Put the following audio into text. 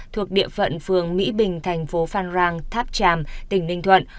thuộc địa phận phường mỹ bình thành phố phan rang tháp tràm tỉnh ninh thuận